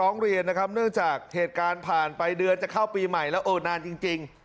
เนื่องจากเหตุการณ์ผ่านไปเดือนจะเข้าปีใหม่แล้วเอะนานจริงจริง